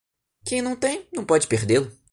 Quem não tem, não pode perdê-lo.